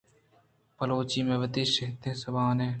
بلوچی مئے وتی شھدیں زبان اِنت۔